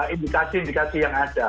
indikasi indikasi yang ada